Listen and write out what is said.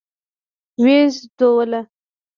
ويې ژدويله.